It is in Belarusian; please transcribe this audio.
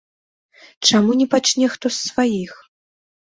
Чаму не пачне хто з сваіх?